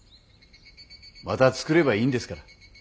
また作ればいいんですから。